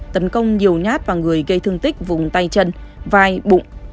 tấn công nhiều nhát vào người gây thương tích vùng tay chân vai bụng